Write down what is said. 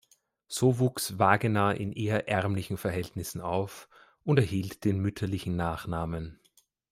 So wuchs Wagenaar in eher ärmlichen Verhältnissen auf und erhielt den mütterlichen Nachnamen.